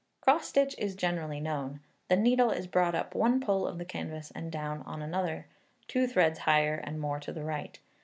Cross stitch is generally known. The needle is brought up in one pole of the canvas and down on another, two threads higher and more to the right.